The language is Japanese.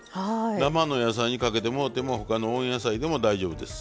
生の野菜にかけてもろても他の温野菜でも大丈夫です。